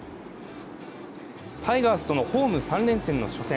タイガースとのホーム３連戦の初戦。